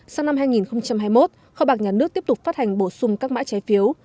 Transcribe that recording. sau năm hai nghìn hai mươi một kho bạc nhà nước tiếp tục phát hành bổ sung các mã trái phiếu